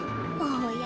おや？